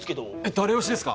誰推しですか？